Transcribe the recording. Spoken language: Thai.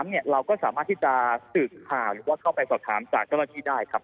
เราก็สามารถที่จะสืบผ่านหรือว่าเข้าไปสอบถามจากกรณีได้ครับ